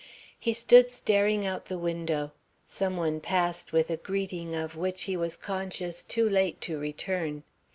He stood staring out the window. Some one passed with a greeting of which he was conscious too late to return.